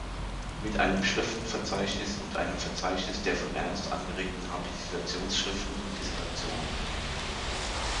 Mit einem Schriftenverzeichnis und einem Verzeichnis der von Ernst angeregten Habilitationsschriften und Dissertationen.